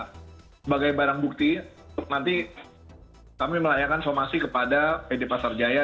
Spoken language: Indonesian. sebagai barang bukti untuk nanti kami melayangkan somasi kepada pd pasar jaya